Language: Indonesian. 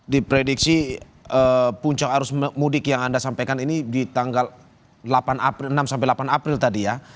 diprediksi puncak arus mudik yang anda sampaikan ini di tanggal enam sampai delapan april tadi ya